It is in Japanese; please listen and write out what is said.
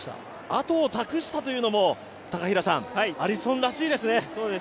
あとを託したというのも、アリソンらしいですね。